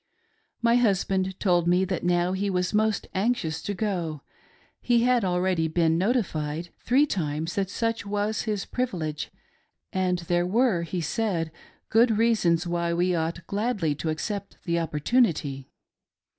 My husband told me that now he was most anxious to go :— he had already been notified three times that such was his privilege, and there were, he said, good reasons why we ought gladly to accept the op portunity.